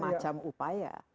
segala macam upaya